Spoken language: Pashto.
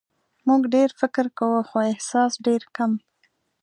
موږ ډېر فکر کوو خو احساس ډېر کم.